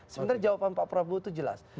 sebenarnya jawaban pak prabowo itu jelas